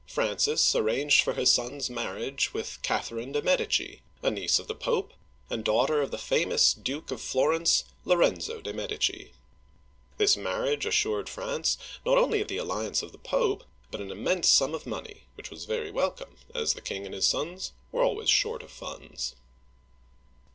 Francis arranged for his son's Digitized by Google FRANCIS I. (15 15 1547) 239 marriage with Catherine de' Medici (da mSd'e chee), a niece of the Pope, and daughter of the famous Duke of Florence, Lorenzo de* Medici. This marriage assured France, not only the alliance of the Pope, but an immense sum of money, which was very welcome, as the king and his sons were always short of funds.